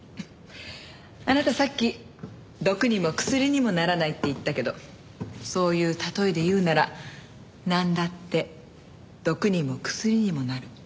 あなたさっき毒にも薬にもならないって言ったけどそういう例えで言うならなんだって毒にも薬にもなる。